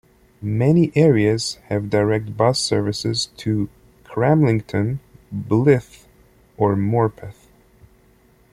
Many areas have direct bus services to Cramlington, Blyth or Morpeth.